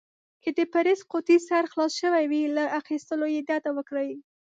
که د پرېس قوطي سر خلاص شوی وي، له اخيستلو يې ډډه وکړئ.